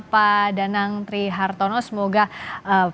pak danang tri hartono semoga anda